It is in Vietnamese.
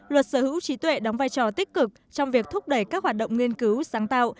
luật sở hữu trí tuệ đóng vai trò tích cực trong việc thúc đẩy các hoạt động nghiên cứu sáng tạo